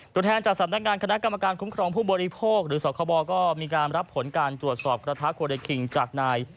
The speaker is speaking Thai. ตัวแทนจากสำนักงานคณะกรรมการคุ้มครองผู้บริโภคหรือสคบก็มีการรับผลการตรวจสอบกระทะโคเรคิงจากนาย